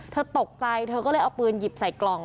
เธอตกใจเธอก็เลยเอาปืนหยิบใส่กล่อง